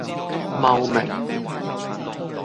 茂名